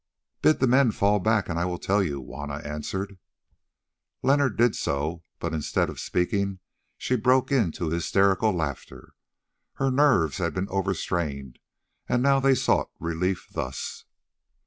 "Bid the men fall back and I will tell you," Juanna answered. Leonard did so, but instead of speaking she broke into hysterical laughter. Her nerves had been over strained, and now they sought relief thus.